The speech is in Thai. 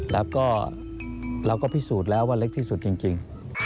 แล้วก็เราก็พิสูจน์แล้วว่าเล็กที่สุดจริง